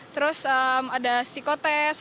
terus ada psikotest